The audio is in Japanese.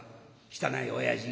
汚い親父。